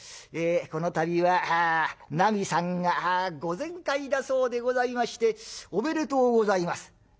「この度はなみさんがご全快だそうでございましておめでとうございます」。